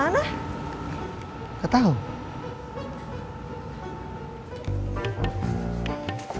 yang disuruh begini